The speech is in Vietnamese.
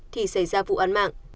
thì xảy ra vụ án mạng